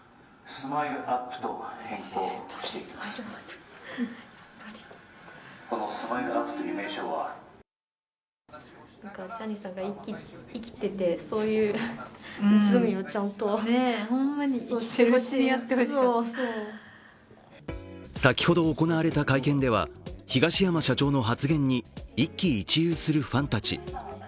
ＳＭＩＬＥ−ＵＰ．先ほど行われた会見では東山社長の会見に一喜一憂するファンたち。